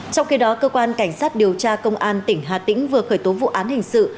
trong khi đó cơ quan cảnh sát điều tra công an tỉnh hà tĩnh vừa khởi tố vụ án hình sự